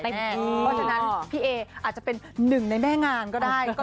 เพราะฉะนั้นพี่เออาจจะเป็นหนึ่งในแม่งานก็ได้